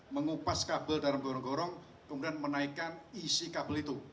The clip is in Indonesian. mengupas kabel dalam gorong gorong kemudian menaikkan isi kabel itu